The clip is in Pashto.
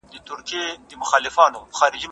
توا انسان نه و .